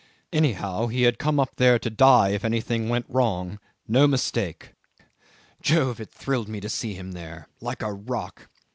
Anyhow, he had come up there to die if anything went wrong. No mistake! Jove! It thrilled me to see him there like a rock.